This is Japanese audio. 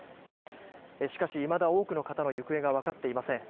しかし、いまだ多くの方の行方がわかっていません。